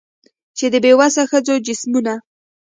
چي د بې وسه ښځو جسمونه